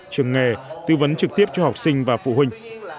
trường nghề tư vấn trực tiếp cho học sinh và phụ huynh